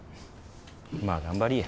まあ頑張りぃや。